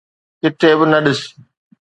ڪٿي به نه ڏس